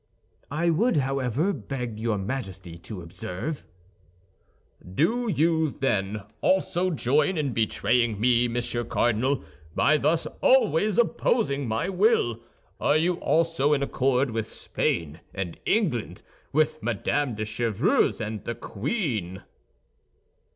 "I would, however, beg your Majesty to observe—" "Do you, then, also join in betraying me, Monsieur Cardinal, by thus always opposing my will? Are you also in accord with Spain and England, with Madame de Chevreuse and the queen?"